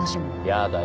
やだよ。